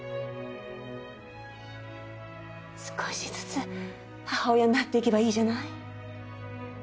少しずつ母親になっていけばいいじゃない？